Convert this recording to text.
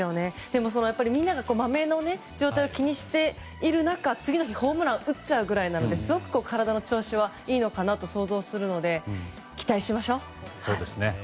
でも、みんながマメの状態を気にしている中次の日、ホームランを打っちゃうぐらいなのですごく体の調子はいいのかなと想像するので期待しましょう。